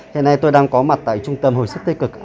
hiện nay tôi đang có mặt tại trung tâm hồi sức tích cực